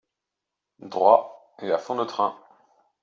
Droit, et à fond de train.